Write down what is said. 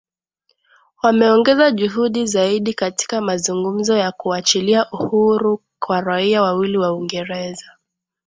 wameongeza juhudi zaidi katika mazungumzo ya kuachiliwa huru kwa raia wawili wa uingereza